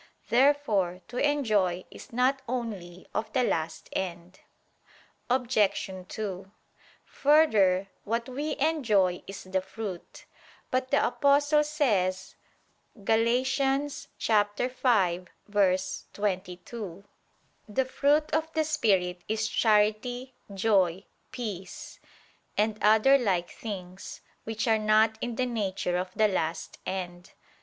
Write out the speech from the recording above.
Therefore to enjoy is not only of the last end. Obj. 2: Further, what we enjoy is the fruit. But the Apostle says (Gal. 5:22): "The fruit of the Spirit is charity, joy, peace," and other like things, which are not in the nature of the last end.